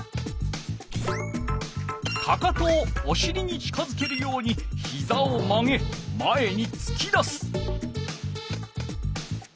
かかとをおしりに近づけるようにひざを曲げ前につき出す。